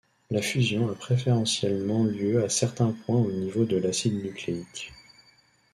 La fusion a préférentiellement lieu à certains points au niveau de l'acide nucléique.